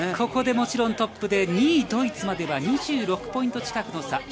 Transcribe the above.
ここでもちろんトップで２位ドイツまでは２６ポイント近くの差。